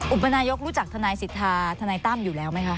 อุปนายกรู้จักทนายสิทธาทนายตั้มอยู่แล้วไหมคะ